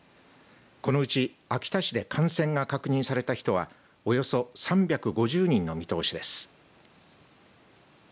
このうち秋田市で感染が確認された人はおよそ３５０人の見通しです。